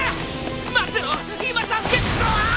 待ってろ今助けてうわっ！